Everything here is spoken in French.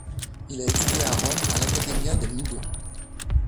Il a étudié à Rome à l'Accademia del Nudo.